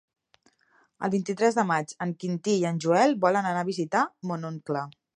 El vint-i-tres de maig en Quintí i en Joel volen anar a visitar mon oncle.